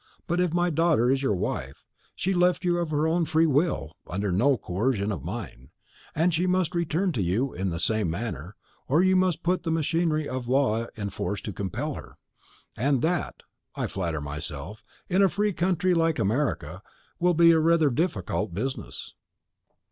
But if my daughter is your wife, she left you of her own free will, under no coercion of mine; and she must return to you in the same manner, or you must put the machinery of the law in force to compel her. And that, I flatter myself, in a free country like America, will be rather a difficult business."